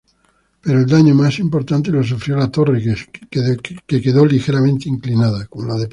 Pero el daño más importante lo sufrió la torre, que quedó ligeramente inclinada.